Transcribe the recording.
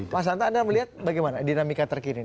mas hanta anda melihat bagaimana dinamika terkini